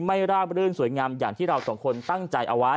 ราบรื่นสวยงามอย่างที่เราสองคนตั้งใจเอาไว้